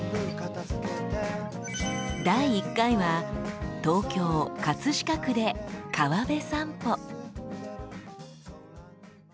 第１回は東京飾区で川辺さんぽ。